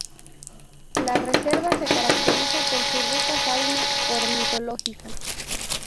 La reserva se caracteriza por su rica fauna ornitológica.